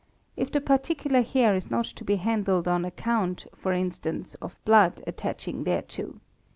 If the particular hair is not to be handled on account, for instance, of blood attaching thereto.